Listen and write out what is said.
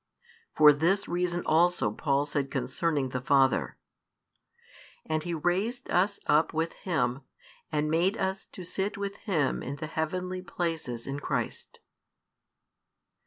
For this reason also Paul said concerning the Father: And He raised us up with Him, and made us to sit with Him in the heavenly places in Christ.